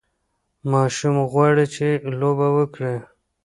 ماشوم غواړي چې لوبه وکړي.